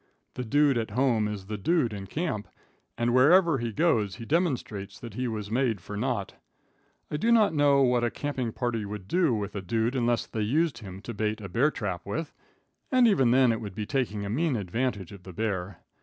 The dude at home is the dude in camp, and wherever he goes he demonstrates that he was made for naught. I do not know what a camping party would do with a dude unless they used him to bait a bear trap with, and even then it would be taking a mean advantage of the bear.